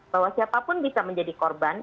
bahwa siapapun bisa menjadi korban